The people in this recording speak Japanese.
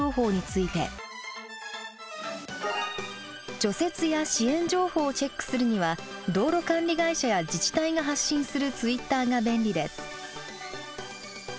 除雪や支援情報をチェックするには道路管理会社や自治体が発信するツイッターが便利です。